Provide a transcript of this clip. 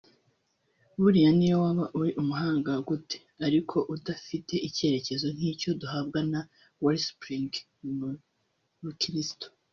Buriya n’iyo waba uri umuhanga gute ariko udafite icyerekezo nk’icyo duhabwa na Wellspring mu Bukirisitu